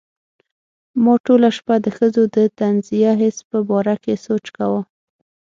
ما ټوله شپه د ښځو د طنزیه حس په باره کې سوچ کاوه.